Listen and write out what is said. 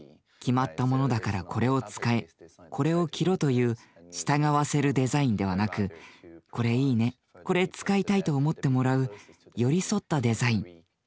決まったものだからこれを使えこれを着ろという「従わせるデザイン」ではなくこれいいねこれ使いたいと思ってもらう「寄り添ったデザイン」。